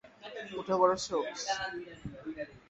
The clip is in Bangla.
উঠে পড়ো, সোকস।